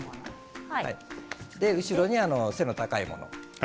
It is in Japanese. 後ろに背の高いもの。